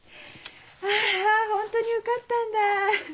ああ本当に受かったんだあ。